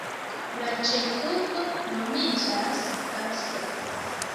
La ĉefurbo nomiĝas Gasa.